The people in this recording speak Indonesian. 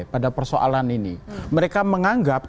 pada persoalan ini mereka menganggap